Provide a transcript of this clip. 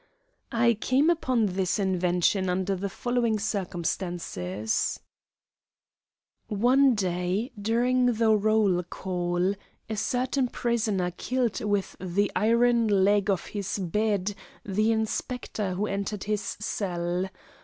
I came upon this invention under the following circumstances: One day, during the roll call, a certain prisoner killed with the iron leg of his bed the Inspector who entered his cell.